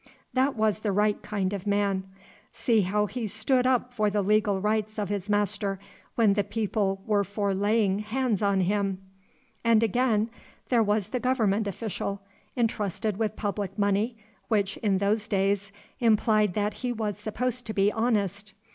That was the right kind of man. See how he stood up for the legal rights of his Master, when the people were for laying hands on him! And again, there was the government official, intrusted with public money, which, in those days, implied that he was supposed to be honest.